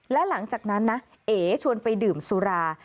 และหลังจากนั้นนะเอ๋ชวนไปดื่มสุรา